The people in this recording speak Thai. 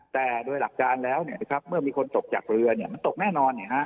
แต่โดยหลักการแล้วเนี่ยครับเมื่อมีคนตกจากเรือเนี่ยมันตกแน่นอนเนี่ยฮะ